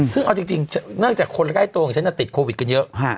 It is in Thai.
ซึ่งเอาจริงเนื่องจากคนใกล้ตัวของฉันติดโควิดกันเยอะ